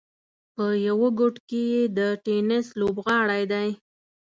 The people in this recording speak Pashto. په یوه ګوټ کې یې د ټېنس لوبغالی دی.